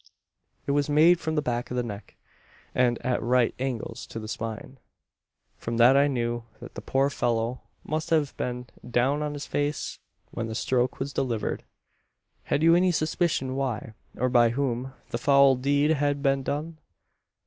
It was made from the back of the neck; and at right angles to the spine. From that I knew that the poor fellow must have been down on his face when the stroke was delivered." "Had you any suspicion why, or by whom, the foul deed had been done?"